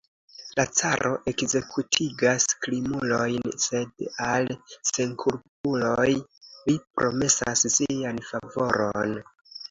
La caro ekzekutigas krimulojn, sed al senkulpuloj li promesas sian favoron.